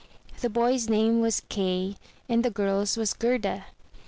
The boy's name was Kay, the girl's was Gerda.